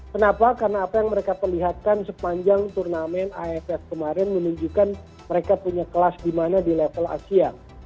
kenapa karena apa yang mereka perlihatkan sepanjang turnamen aff kemarin menunjukkan mereka punya kelas dimana di level asia